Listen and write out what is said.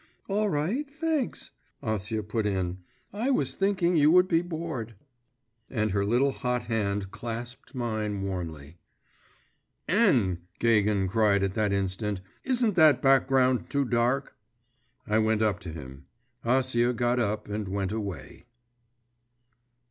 … 'All right, thanks!' Acia put in; 'I was thinking you would be bored.' And her little hot hand clasped mine warmly. 'N!' Gagin cried at that instant; 'isn't that background too dark?' I went up to him. Acia got up and went away.